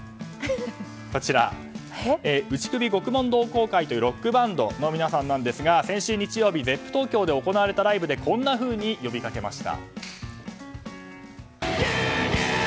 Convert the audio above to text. こちら、打首獄門同好会というロックバンドの皆さんなんですが先週日曜日Ｚｅｐｐ東京で行われたライブでこんなふうに呼びかけました。